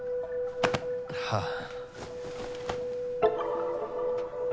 はあ。